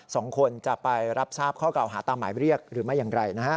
สองคนจะไปรับทราบข้อกล่าวหาตามหมายเรียกหรือไม่อย่างไรนะฮะ